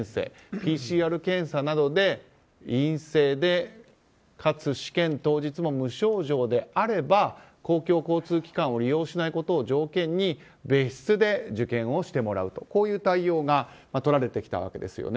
ＰＣＲ検査などで陰性でかつ試験当日も無症状であれば公共交通機関を利用しないことを条件に別室で受験をしてもらうという対応がとられてきたわけですよね。